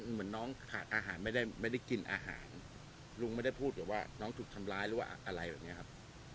เหมือนน้องขาดอาหารไม่ได้กินอาหารลุงไม่ได้พูดหรือว่าน้องถูกทำร้ายหรือว่าอะไรแบบนี้ครับ